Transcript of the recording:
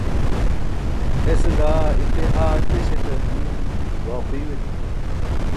es daa ite haa teśaṭar diin wau qiyo etimi